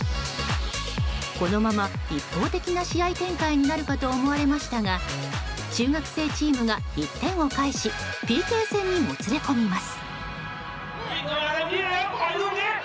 このまま一方的な試合展開になるかと思われましたが中学生チームが１点を返しＰＫ戦にもつれ込みます。